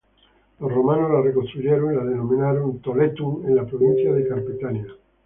Los romanos la reconstruyeron y la denominaron Toletum, en la provincia de Carpetania.